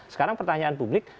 sekarang pertanyaan publik